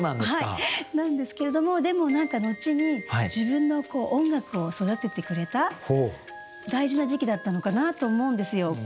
なんですけれどもでも後に自分の音楽を育ててくれた大事な時期だったのかなと思うんですよ。